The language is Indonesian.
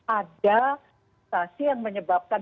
ada stasiun yang menyebabkan